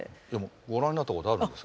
ご覧になったことあるんですか？